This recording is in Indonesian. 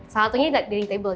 satunya di dinding table